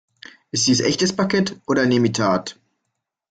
Ist dies echtes Parkett oder ein Imitat?